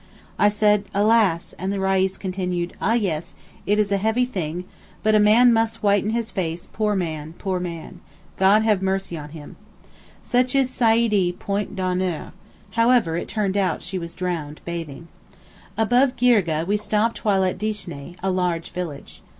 I said 'Alas!' and the Reis continued, 'ah, yes, it is a heavy thing, but a man must whiten his face, poor man, poor man. God have mercy on him.' Such is Saeedee point d'honneur. However, it turned out she was drowned bathing. Above Girgeh we stopped awhile at Dishné, a large village.